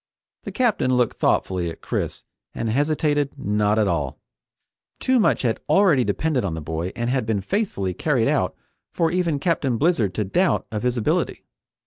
The Captain looked thoughtfully at Chris and hesitated not at all. Too much had already depended on the boy and had been faithfully carried out for even Captain Blizzard to doubt of his ability.